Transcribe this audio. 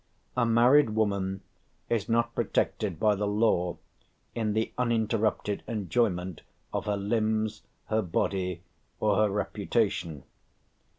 A married woman is not protected by the law in the "uninterrupted enjoyment of" her "limbs," her "body," or her "reputation."